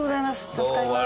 助かります。